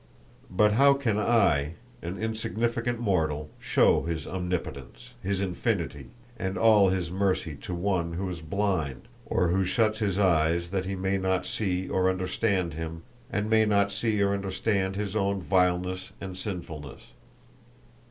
But how can I, an insignificant mortal, show His omnipotence, His infinity, and all His mercy to one who is blind, or who shuts his eyes that he may not see or understand Him and may not see or understand his own vileness and sinfulness?"